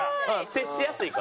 接しやすい顔。